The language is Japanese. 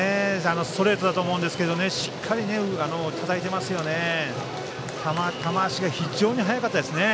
ストレートだと思うんですがしっかりたたいていますよね。